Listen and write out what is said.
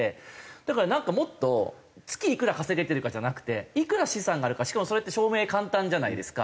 だからなんかもっと月いくら稼げてるかじゃなくていくら資産があるかしかもそれって証明簡単じゃないですか。